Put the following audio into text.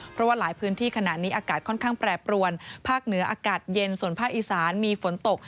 เพราะว่าหลายพื้นที่ขณะนี้อากาศค่อนข้างแปรปรวนภาคเหนืออากาศเย็นส่วนภาคอีสานมีฝนตก